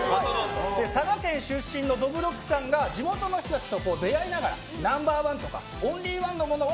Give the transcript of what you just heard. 佐賀県出身のどぶろっくさんが地元の人たちと出会いながらナンバー１とかオンリー１のものを